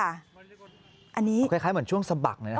อันนี้คล้ายเหมือนช่วงสะบักเลยนะ